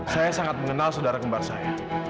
saya sangat mengenal saudara kembar saya